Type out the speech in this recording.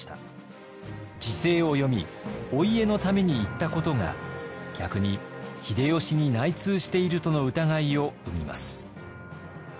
時勢を読みお家のために言ったことが逆に秀吉に内通しているとの疑いを生みます。